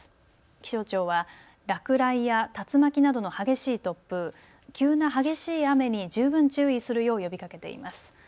気象庁は落雷や竜巻などの激しい突風、急な激しい雨に十分注意するよう呼びかけています。